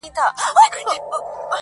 د زهرو تر جام تریخ دی، زورور تر دوزخونو,